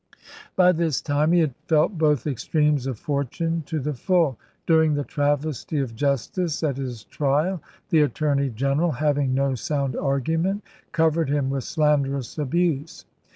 By this time he had felt both extremes of for tune to the full. During the travesty of justice at his trial the attorney general, having no sound argument, covered him with slanderous abuse.